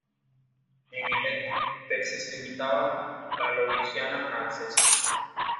En el este, Texas limitaba la Louisiana francesa.